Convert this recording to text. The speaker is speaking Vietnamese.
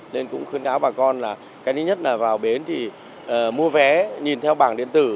nên cũng khuyến cáo bà con là cái thứ nhất là vào bến thì mua vé nhìn theo bảng điện tử